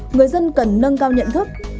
người dân cần nâng cao nhận thức